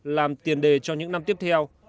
làm tiền đề cho những năm tiếp theo